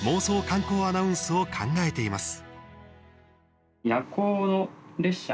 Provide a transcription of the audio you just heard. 観光アナウンスを考えています。